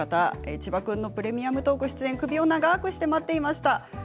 千葉君の「プレミアムトーク」出演、首を長くして待っていました。